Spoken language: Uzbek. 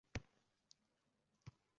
Tishimni tishimga qo‘ymoqdaman ba’zan.